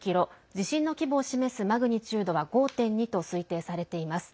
地震の規模を示すマグニチュードは５．２と推定されています。